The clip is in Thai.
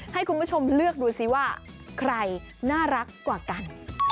ให้คุณผู้ชมเลือกดูสิว่าใครน่ารักกว่ากัน